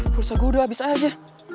pursa gue udah habis aja